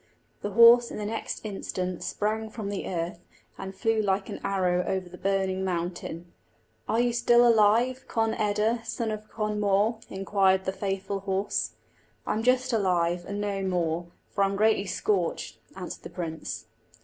The horse in the next instant sprang from the earth, and flew like an arrow over the burning mountain. "Are you still alive, Conn eda, son of Conn mór?" inquired the faithful horse. "I'm just alive, and no more, for I'm greatly scorched," answered the prince.